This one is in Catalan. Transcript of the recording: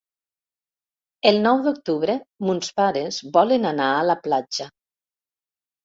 El nou d'octubre mons pares volen anar a la platja.